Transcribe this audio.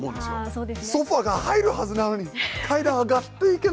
ソファーが入るはずなのに階段上がっていけないっていう。